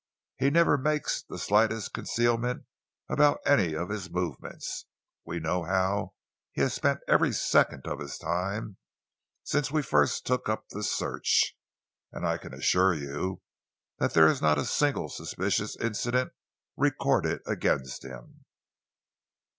He never makes the slightest concealment about any of his movements. We know how he has spent every second of his time since we first took up the search, and I can assure you that there is not a single suspicious incident recorded against him."